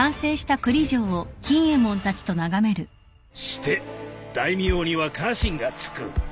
して大名には家臣がつく。